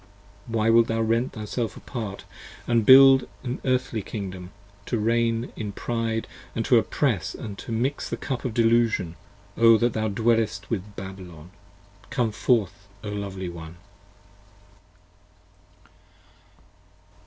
30 Why wilt thou rend thyself apart & build an Earthly Kingdom, To reign in pride & to opress & to mix the Cup of Delusion, 32 O thou that dwellest with Babylon! Come forth, O lovely one!